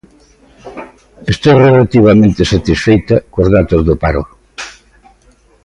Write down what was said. Estou relativamente satisfeita cos datos do paro.